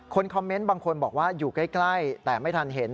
คอมเมนต์บางคนบอกว่าอยู่ใกล้แต่ไม่ทันเห็น